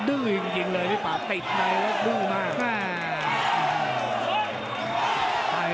ดื้อจริงเลยพี่ป่าติดในแล้วดื้อมาก